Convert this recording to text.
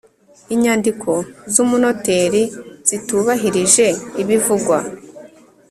Inyandiko z umunoteri zitubahirije ibivugwa